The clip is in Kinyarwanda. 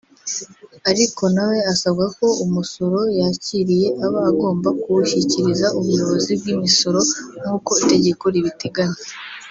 Ariko na we asabwa ko umusoro yakiriye aba agomba kuwushyikiriza ubuyobozi bw’imisoro nk’uko itegeko ribiteganya